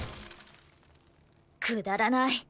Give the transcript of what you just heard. くだらない。